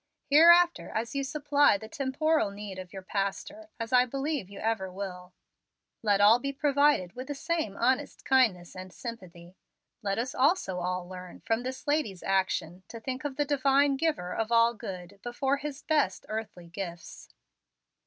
Hereafter, as you supply the temporal need of your pastor, as I believe you ever will, let all be provided with the same honest kindness and sympathy. Let us also all learn, from this lady's action, to think of the Divine Giver of all good before his best earthly gifts."